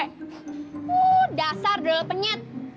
wuuu dasar dodo penyet